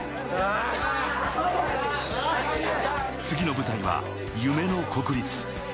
次の舞台は夢の国立。